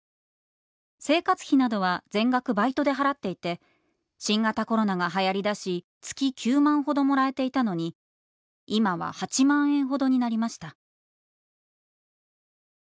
生活費などは全額バイトで払っていて新型コロナが流行りだし月９万ほどもらえていたのに今は８万円ほどになりました」。